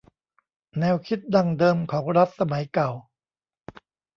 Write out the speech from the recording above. แนวคิดดั้งเดิมของรัฐสมัยเก่า